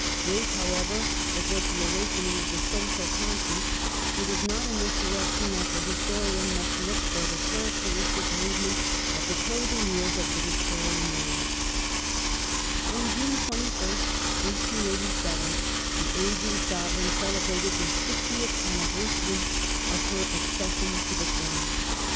Great, however, as was the awakening of the social conscience, it is 532 DEMOCRACY AND EMPIRE [1885 not in this direction that the historian must look for the character istic movement of the closing years of the Victorian era Imperial On June 21st, 1887, the ageing Sovereign celebrated the fiftieth *"° anniversary of her accession to the throne.